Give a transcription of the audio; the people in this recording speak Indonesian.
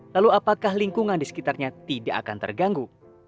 lalu apakah lingkungan di sekitarnya tidak akan terganggu